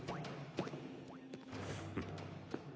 フッ。